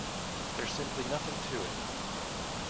There's simply nothing to it.